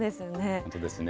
本当ですね。